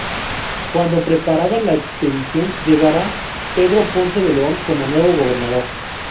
Cuando preparaban la expedición llegará Pedro Ponce de León como nuevo gobernador.